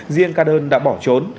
riêng ca đơn đã bỏ trốn